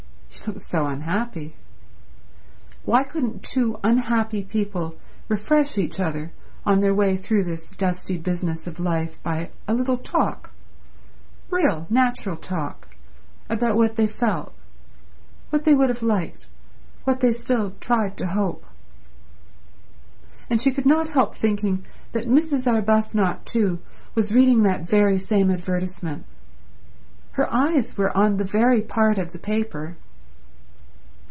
She looked so unhappy. Why couldn't two unhappy people refresh each other on their way through this dusty business of life by a little talk—real, natural talk, about what they felt, what they would have liked, what they still tried to hope? And she could not help thinking that Mrs. Arbuthnot, too, was reading that very same advertisement. Her eyes were on the very part of the paper.